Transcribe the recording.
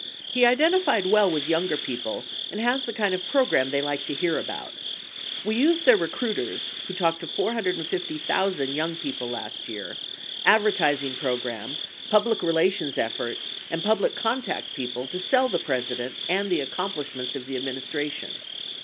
He identified well with younger people and has the kind of pro gram they like to hear about. We used their recruiters (who talked to 450,000 young people last year), advertising pro gram, public relations effort, and public contact people to sell the President and the accomplishments of the administra tion.